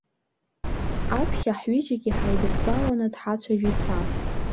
Аԥхьа ҳҩыџьегьы ҳаидыртәаланы дҳацәажәеит саб.